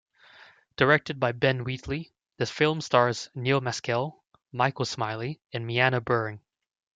Directed by Ben Wheatley, the film stars Neil Maskell, Michael Smiley and MyAnna Buring.